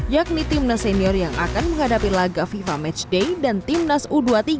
yakni timnas senior yang akan menghadapi laga fifa matchday dan timnas u dua puluh tiga